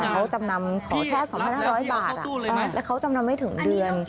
ของแค่๒๕๐๐บาทแล้วเขาจำนำไม่ถึงเดือน